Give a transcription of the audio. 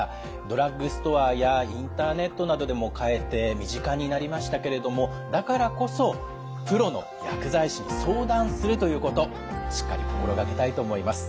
ドラッグストアやインターネットなどでも買えて身近になりましたけれどもだからこそプロの薬剤師に相談するということしっかり心掛けたいと思います。